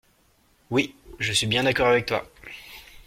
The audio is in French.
Oui, je suis bien d'accord avec toi.